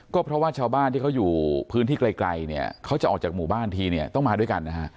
ก็เพราะว่าชาวบ้านที่เขาอยู่พื้นที่ไกลเนี่ยเขาจะออกจากหมู่บ้านทีเนี่ยต้องมาด้วยกันนะฮะ